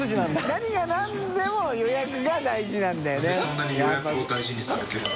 何が何でも予約が大事なんだよね